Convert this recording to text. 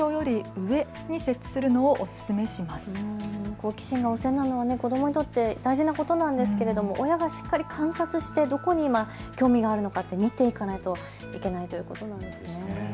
好奇心が旺盛なのは子どもにとって大事なことなんですけど親がしっかり観察してどこに興味があるのか見ていかないといけないということですね。